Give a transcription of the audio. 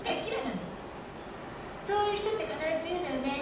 そういう人って必ず言うのよね。